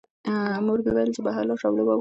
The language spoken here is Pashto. مور مې وویل چې بهر لاړ شه او لوبه وکړه.